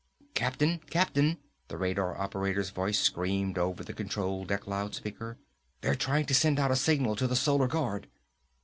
"Captain! Captain!" the radar operator's voice screamed over the control deck loud speaker, "they're trying to send out a signal to the Solar Guard!"